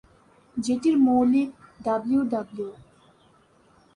যেটির মালিক ডাব্লিউডাব্লিউই।